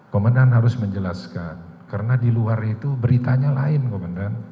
komandan harus menjelaskan karena di luar itu beritanya lain komandan